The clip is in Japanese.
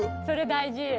それ大事。